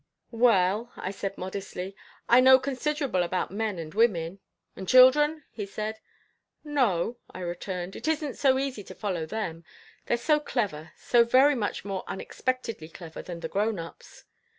"Well," I said modestly, "I know considerable about men and women." "And children?" he said. "No," I returned. "It isn't so easy to follow them. They're so clever, so very much more unexpectedly clever than the grown ups."